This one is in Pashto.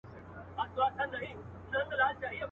د ښځو د مکارۍ یادونه ډېره په خوند سره سوې ده